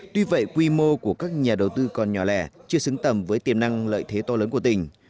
tuy vậy quy mô của các nhà đầu tư còn nhỏ lẻ chưa xứng tầm với tiềm năng lợi thế to lớn của tỉnh